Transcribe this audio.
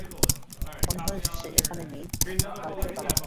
মনে হয় সে এখানে নাই, বাড়িতেও তালা মারা।